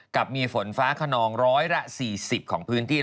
กับมีฝนฟ้าขนองร้อยละ๔๐ของพื้นที่